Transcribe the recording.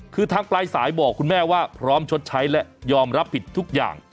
คือทางปลายสายบอกคุณแม่ว่าพร้อมชดใช้และยอมรับผิดทุกอย่าง